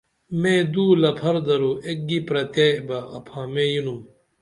مے دو لپہر درو ایک گی پرتے بہ اپھامے ینُم